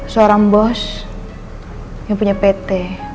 seorang bos yang punya pt